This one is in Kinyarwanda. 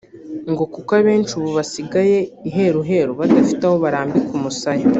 ngo kuko benshi ubu basigaye iheruheru badafite aho barambika umusaya